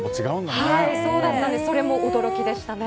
それも驚きでしたね。